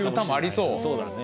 そうだね。